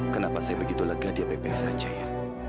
kenapa saya begitu lega di apb saja ya